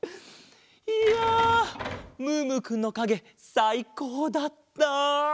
いやムームーくんのかげさいこうだった！